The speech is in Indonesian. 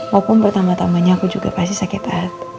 walaupun pertama tamanya aku juga pasti sakit hati